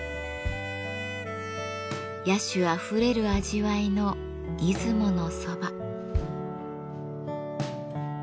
野趣あふれる味わいの出雲のそば。